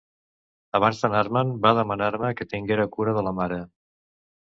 Abans d’anar-me’n, va demanar-me que tinguera cura de la mare.